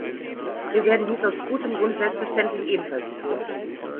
Wir werden dies aus gutem Grund selbstverständlich ebenfalls tun.